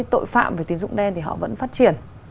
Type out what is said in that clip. tội phạm về tín dụng đen thì họ vẫn phát triển